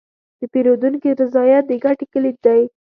د پیرودونکي رضایت د ګټې کلید دی.